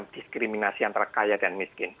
diskriminasi antara kaya dan miskin